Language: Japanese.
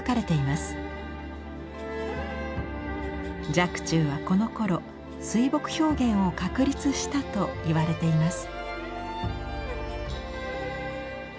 若冲はこのころ水墨表現を確立したといわれています。